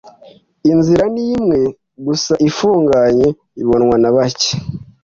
inzira ni imwe gusa ifunganye ibonwa na bake